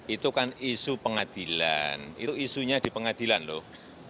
isu pengadilan itu isunya di pengadilan loh